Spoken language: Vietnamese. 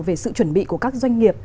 về sự chuẩn bị của các doanh nghiệp